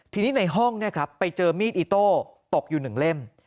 ที่นี่ในห้องเนี่ยครับไปเจอมีดอิโต้ตกอยู่๑เล่ม